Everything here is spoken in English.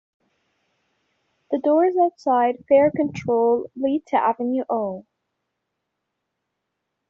The doors outside fare control lead to Avenue O.